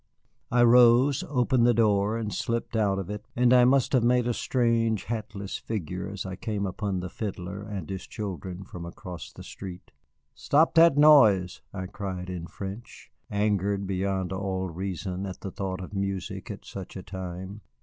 I rose, opened the door, and slipped out of it, and I must have made a strange, hatless figure as I came upon the fiddler and his children from across the street. "Stop that noise," I cried in French, angered beyond all reason at the thought of music at such a time.